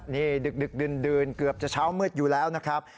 นี่ดึกดื่นเกือบจะเช้ามืดอยู่แล้วนะครับ